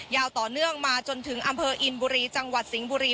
ยาวต่อเนื่องมาจนถึงอำเภออินบุรีจังหวัดสิงห์บุรี